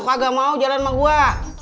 kagak mau jalan sama gue